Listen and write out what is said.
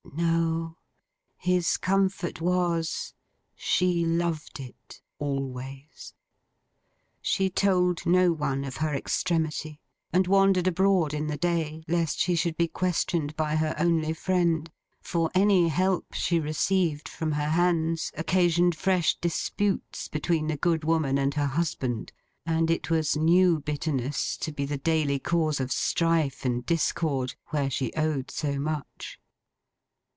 No. His comfort was, She loved it always. She told no one of her extremity, and wandered abroad in the day lest she should be questioned by her only friend: for any help she received from her hands, occasioned fresh disputes between the good woman and her husband; and it was new bitterness to be the daily cause of strife and discord, where she owed so much.